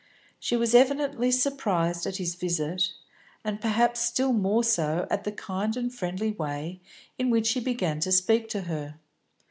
She was evidently surprised at his visit, and perhaps still more so at the kind and friendly way in which he began to speak to her.